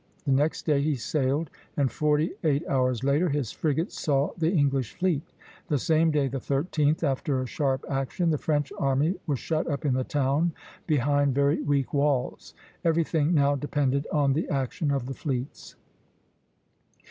The next day he sailed, and forty eight hours later his frigates saw the English fleet. The same day, the 13th, after a sharp action, the French army was shut up in the town, behind very weak walls. Everything now depended on the action of the fleets.